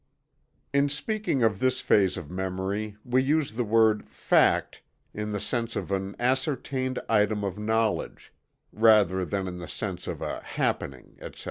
In speaking of this phase of memory we use the word "fact" in the sense of "an ascertained item of knowledge," rather than in the sense of "a happening," etc.